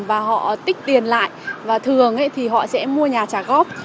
và họ tích tiền lại và thường thì họ sẽ mua nhà trả góp